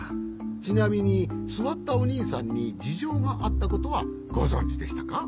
ちなみにすわったおにいさんにじじょうがあったことはごぞんじでしたか？